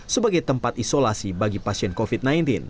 sebagai tempat isolasi bagi pasien covid sembilan belas